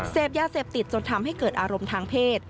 เสพยาเสพติดจนทำให้เกิดอารมณ์ทางเพศ